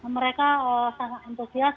mereka sangat entusias